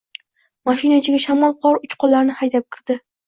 Mashina ichiga shamol qor uchqunlarini haydab kirdi.